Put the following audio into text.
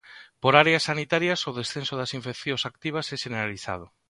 Por áreas sanitarias o descenso das infeccións activas é xeneralizado.